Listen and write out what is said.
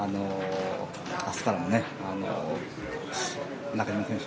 明日からも中島選手